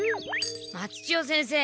松千代先生